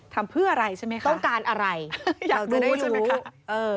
ทำเพื่ออะไรใช่ไหมคะอยากได้รู้ต้องการอะไร